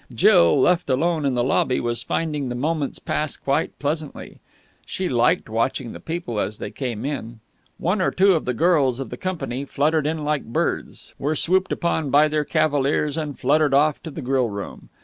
Jill, left alone in the lobby, was finding the moments pass quite pleasantly. She liked watching the people as they came in. One or two of the girls of the company fluttered in like birds, were swooped upon by their cavaliers, and fluttered off to the grill room.